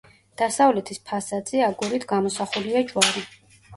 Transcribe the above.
დასავლეთის ფასადზე აგურით გამოსახულია ჯვარი.